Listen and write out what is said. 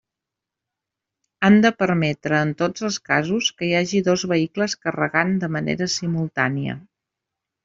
Han de permetre en tots els casos que hi hagi dos vehicles carregant de manera simultània.